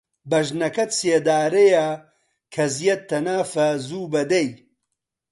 بەژنەکەت سێدارەیە، کەزیەت تەنافە زووبە دەی